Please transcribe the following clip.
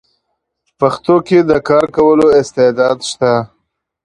پښتو کې د کار کولو استعداد شته: